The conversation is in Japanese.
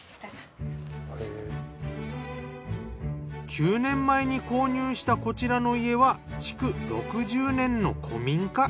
９年前に購入したこちらの家は築６０年の古民家。